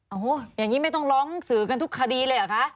โอ้โหอย่างนี้ไม่ต้องร้องสื่อกันทุกคดีเลยเหรอคะ